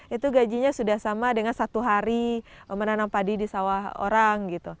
itu gajinya sudah sama dengan satu hari menanam padi di sawah orang gitu